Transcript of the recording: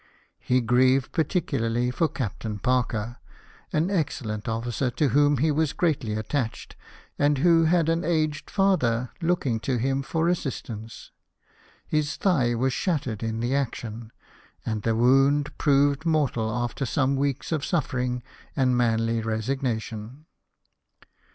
He grieved particularly for Captain Parker — an excellent officer to whom he was greatly attached, and who had an aged father loojiing to him for assistance. His thigh was shattered in the action ; and the wound proved mortal after some weeks of suffering and manly resignation.